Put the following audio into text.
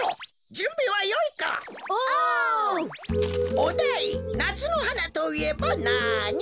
おだいなつのはなといえばなに？